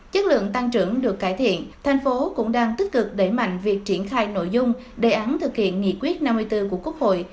chất lượng tăng trưởng được cải thiện thành phố cũng đang tích cực đẩy mạnh việc triển khai nội dung đề án thực hiện nghị quyết năm mươi bốn của quốc hội